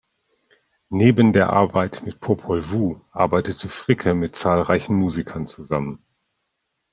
Neben der Arbeit mit Popol Vuh arbeitete Fricke mit zahlreichen Musikern zusammen.